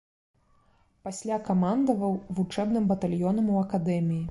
Пасля камандаваў вучэбным батальёнам у акадэміі.